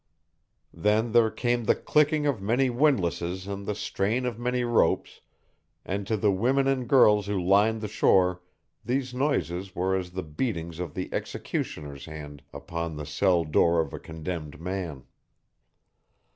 Then there came the clicking of many windlasses and the strain of many ropes, and to the women and girls who lined the shore these noises were as the beatings of the executioner's hand upon the cell door of a condemned man.